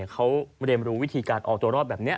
เขาเรียนรู้วิธีการออกตัวรอดแบบนี้